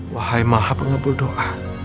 wahai maha pengabul doa